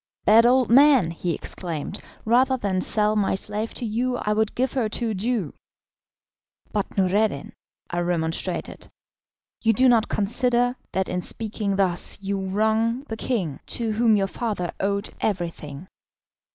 "Bad old man," he exclaimed, "rather than sell my slave to you I would give her to a Jew." "But, Noureddin," I remonstrated, "you do not consider that in speaking thus you wrong the king, to whom your father owed everything."